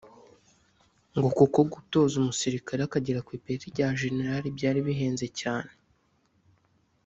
ngo kuko gutoza umusirikare akagera ku ipeti rya Jenerali byari bihenze cyane